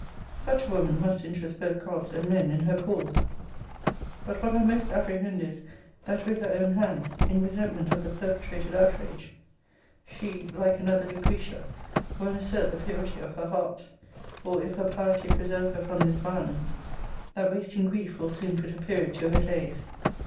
Such a woman must interest both gods and men in her cause. But what I most apprehend is, that with her own hand, in resentment of the perpetrated outrage, she (like another Lucretia) will assert the purity of her heart: or, if her piety preserve her from this violence, that wasting grief will soon put a period to her days.